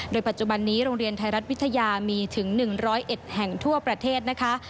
โดยปัจจุบันนี้โรงเรียนไทยรัฐวิทยามีถึง๑๐๑แห่งทั่วประเทศนะคะ